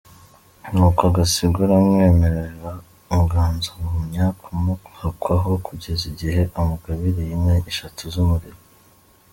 Nuko Gasigwa aramwemerera, Muganza agumya kumuhakwaho kugeza igihe amugabiriye inka eshatu z’umuriro .